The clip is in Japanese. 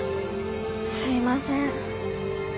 すいません。